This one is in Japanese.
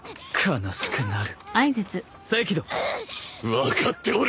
分かっておる！